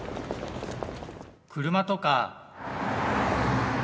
車とか。